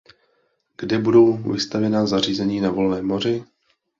Kde budou vystavěna zařízení na volném moři?